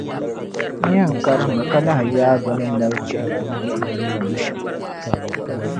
N yɛn karimmi ka lahi yaai bԑ ni mali chihibu n-tumdi tuma shԑm.